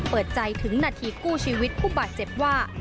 เปิดใจถึงนาทีกู้ชีวิตผู้บาดเจ็บว่า